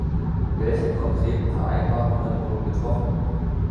Welche konkreten Vereinbarungen wurden getroffen?